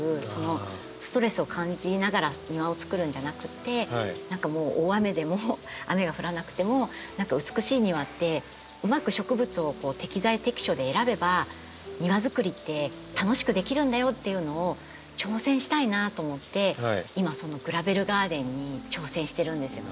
ストレスを感じながら庭をつくるんじゃなくて何かもう大雨でも雨が降らなくても美しい庭ってうまく植物を適材適所で選べば庭づくりって楽しくできるんだよっていうのを挑戦したいなと思って今そのグラベルガーデンに挑戦してるんですよね。